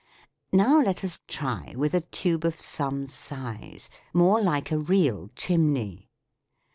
Now let us try with a tube of some size, more like a real chimney.